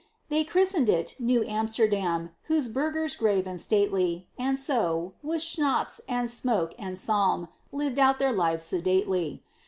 They christened it Nieuw Amsterdam, Those burghers grave and stately, And so, with schnapps and smoke and psalm, Lived out their lives sedately.